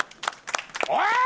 おい！